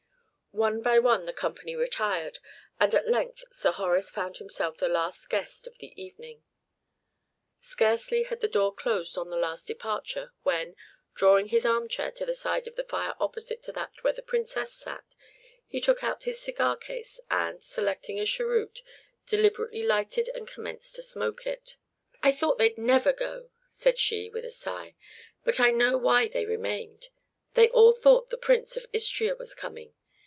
One by one the company retired, and at length Sir Horace found himself the last guest of the evening. Scarcely had the door closed on the last departure, when, drawing his arm chair to the side of the fire opposite to that where the Princess sat, he took out his cigar case, and, selecting a cheroot, deliberately lighted and commenced to smoke it. "I thought they 'd never go," said she, with a sigh; "but I know why they remained, they all thought the Prince of Istria was coming.